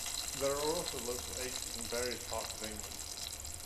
There are also local acres in various parts of England.